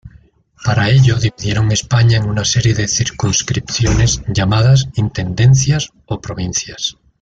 Para ello dividieron España en una serie de circunscripciones llamadas intendencias o provincias.